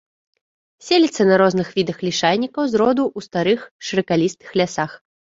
Селіцца на розных відах лішайнікаў з роду ў старых шыракалістых лясах.